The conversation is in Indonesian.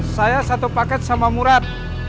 saya satu paket sama murad